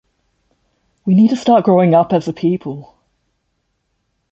We need to start growing up as a people.